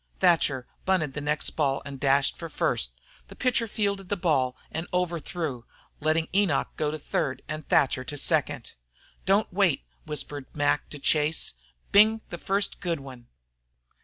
Thatcher bunted the next ball and dashed for first. The pitcher fielded the ball and overthrew, letting Enoch go to third and Thatcher to second. "Don't wait!" Whispered Mac to Chase. "Bing the first good one!"